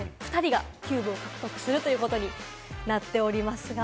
２人がキューブを獲得するということになっております。